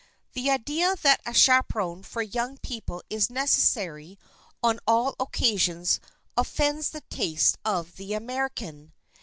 The idea that a chaperon for young people is necessary on all occasions offends the taste of the American.